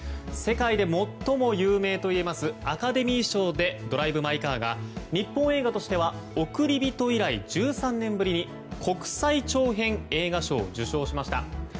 世界で最も有名といえますアカデミー賞で「ドライブ・マイ・カー」が日本映画としては「おくりびと」以来１３年ぶりに国際長編映画賞を受賞しました。